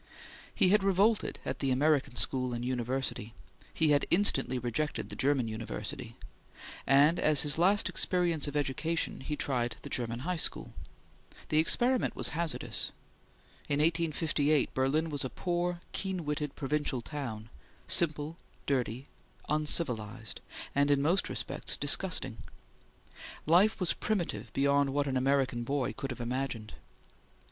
He had revolted at the American school and university; he had instantly rejected the German university; and as his last experience of education he tried the German high school. The experiment was hazardous. In 1858 Berlin was a poor, keen witted, provincial town, simple, dirty, uncivilized, and in most respects disgusting. Life was primitive beyond what an American boy could have imagined.